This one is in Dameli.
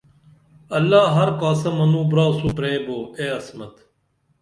اللہ ہر کاسہ منوں براسو پرے بو اے عصمت